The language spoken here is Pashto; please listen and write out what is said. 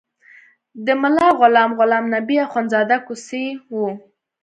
د ملا غلام غلام نبي اخندزاده کوسی و.